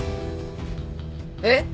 えっ？